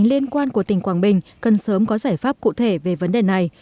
liên quan của tỉnh quảng bình cần sớm có giải pháp cụ thể về vấn đề này